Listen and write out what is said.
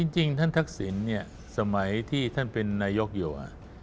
จริงท่านทักษิณสมัยที่ท่านเป็นนายกอยู่